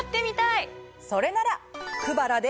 それなら。